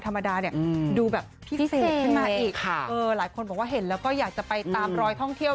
ธรรมดาเนี่ยดูเป็นประสบความพิเศษคุณมากิดอีกหลายคนบอกว่าเห็นแล้วก็อยากจะไปท้องเที่ยว